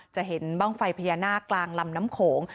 จะเห็นบ้างไฟพญานาคกลางลำน้ำโขง